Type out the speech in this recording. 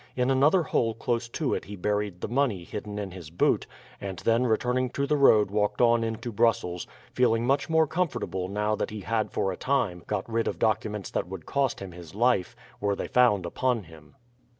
In another hole close to it he buried the money hidden in his boot, and then returning to the road walked on into Brussels, feeling much more comfortable now that he had for a time got rid of documents that would cost him his life, were they found upon him.